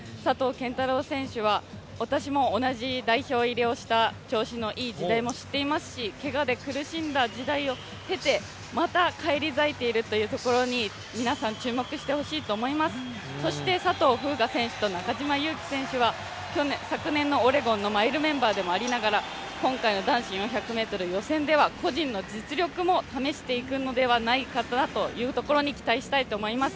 拳太郎選手は私も同じ代表入りをした調子のいい時代も知っていますしけがで苦しんだ時代も経てまた返り咲いているというところに皆さん注目してほしいと思いますそして佐藤風雅選手と中島佑気選手は昨年のオレゴンのマイルメンバーでもありながら、今回の男子４００ｍ予選では個人の実力も試していくのではないかなと期待したいと思います。